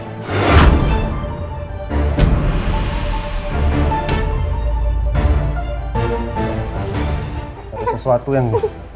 ada sesuatu yang